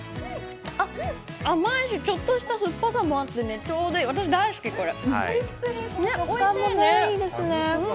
甘いしちょっとした酸っぱさもあって私、大好き、これ。